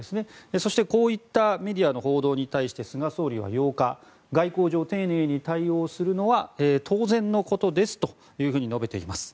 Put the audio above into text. そして、こうしたメディアの報道に対し菅総理は８日外交上、丁寧に対応するのは当然のことですと述べています。